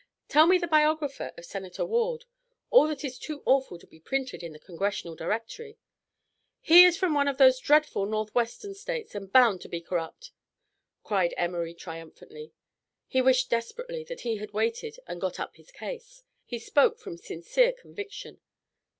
Tell me the biography of Senator Ward all that is too awful to be printed in the Congressional Directory " "He is from one of those dreadful North western States and bound to be corrupt," cried Emory, triumphantly. He wished desperately that he had waited and got up his case. He spoke from sincere conviction.